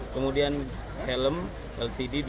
kemudian helm ltd